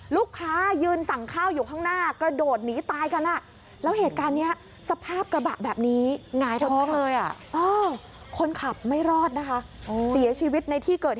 ลูกค้ายืนสั่งข้าวอยู่ข้างหน้ากระโดดหนีตายกัน